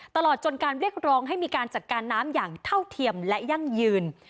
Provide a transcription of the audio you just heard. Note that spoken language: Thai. ตลอดจนการเรียกร้องให้มีการจัดการน้ำอย่างเท่าเทียมและยั่งยืน